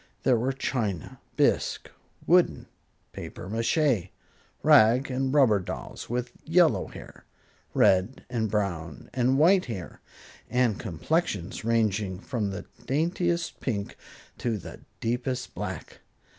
There were china, bisque, wooden, papier mache, rag and rubber dolls, with yellow hair, red and brown and white hair, and complexions ranging from the daintiest pink to the deepest black.